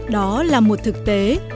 đó là một thực tế